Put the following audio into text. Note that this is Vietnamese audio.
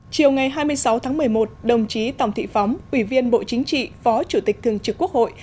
chiều ngày hai mươi sáu tháng một mươi một đồng chí tòng thị phóng ủy viên bộ chính trị phó chủ tịch thường trực quốc hội